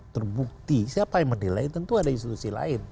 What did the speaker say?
terbukti siapa yang menilai tentu ada institusi lain